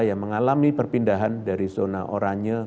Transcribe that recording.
yang mengalami perpindahan dari zona oranye